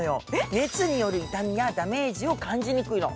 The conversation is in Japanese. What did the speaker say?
熱による痛みやダメージを感じにくいの。